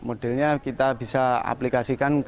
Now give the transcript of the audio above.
modelnya kita bisa aplikasikan ke asbak